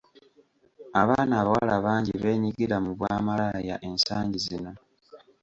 Abaana abawala bangi beenyigira mu bwamalaaya ensangi zino.